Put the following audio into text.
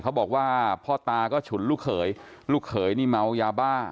เขาบอกว่าพ่อตาก็ฉุนลูกเขยลูกเขยนี่เมายาบ้า